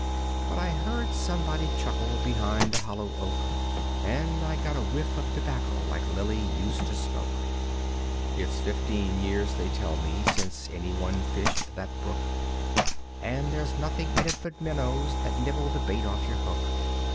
But I heard somebody chuckle behind the hollow oak And I got a whiff of tobacco like Lilly used to smoke. It's fifteen years, they tell me, since anyone fished that brook; And there's nothing in it but minnows that nibble the bait off your hook.